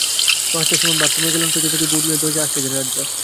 Master Suman বাথরুমে গেলে পেছন থেকে ভুলে দরজা আটকে দেন রাজ্জাক।